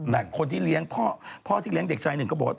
แต่คนที่เลี้ยงพ่อที่เลี้ยงเด็กชายหนึ่งก็บอกว่า